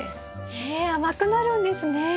へえ甘くなるんですね。